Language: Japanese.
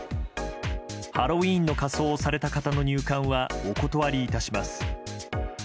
「ハロウィーンの仮装をされた方の入館はお断りいたします」。